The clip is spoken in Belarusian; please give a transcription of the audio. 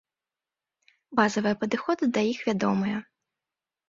Базавыя падыходы да іх вядомыя.